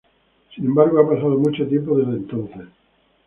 Sin embargo, ha pasado mucho tiempo desde entonces.